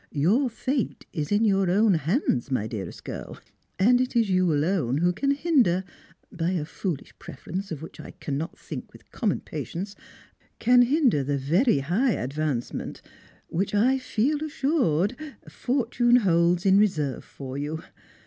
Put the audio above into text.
Your fate is in your own bands, my dearest girl, and it is you alone who can hinder, by a foolish preference, of which I cannot think with common patience, the very high advancement which i/e^Z assured Fortune holds in reserve for you.